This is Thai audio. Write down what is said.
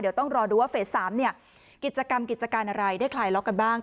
เดี๋ยวต้องรอดูว่าเฟส๓กิจกรรมกิจการอะไรได้คลายล็อกกันบ้าง